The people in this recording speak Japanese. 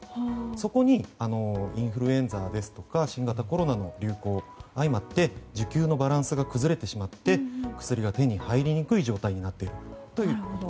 そこにインフルエンザとか新型コロナの流行が相まって需給のバランスが崩れてしまって薬が手に入りにくい状態になっているということです。